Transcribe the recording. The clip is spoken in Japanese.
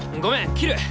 切る！